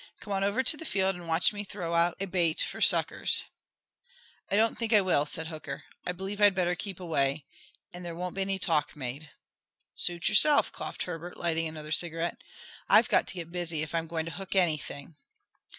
Come on over to the field and watch me throw out a bait for suckers." "I don't think I will," said Hooker. "I believe I'd better keep away, and there won't be any talk made." "Suit yourself," coughed Herbert, lighting another cigarette. "I've got to get busy if I'm going to hook anything."